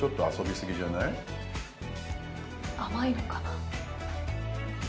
甘いのかな？